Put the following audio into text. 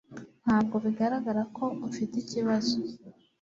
Ntabwo bigaragara ko ufite ikibazo.